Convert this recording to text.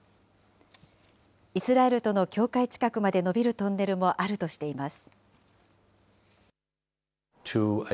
イスラエルとの境界近くまで延びるトンネルもあるとしています。